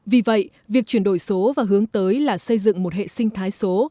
vì vậy việc chuyển đổi số và hướng tới là xây dựng một hệ sinh thái số